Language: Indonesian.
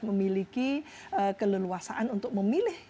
memiliki keleluasaan untuk memilih